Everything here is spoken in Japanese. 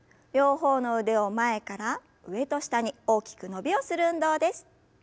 両方の腕を前から上と下に大きく伸びをする運動です。